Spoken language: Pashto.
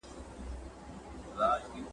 يو چا وویل چي دا ډېره زړه وره ده.